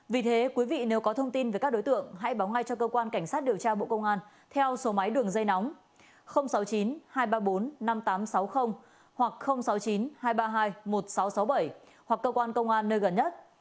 vì thế quý vị nếu có thông tin về các đối tượng hãy báo ngay cho cơ quan cảnh sát điều tra bộ công an theo số máy đường dây nóng sáu mươi chín hai trăm ba mươi bốn năm nghìn tám trăm sáu mươi hoặc sáu mươi chín hai trăm ba mươi hai một nghìn sáu trăm sáu mươi bảy hoặc cơ quan công an nơi gần nhất